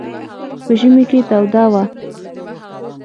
په ژمي کې توده وه.